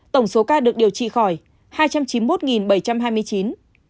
tổng số ca được điều trị khỏi hai trăm chín mươi một bảy trăm hai mươi chín